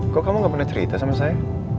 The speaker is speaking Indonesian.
kok kamu gak pernah cerita sama saya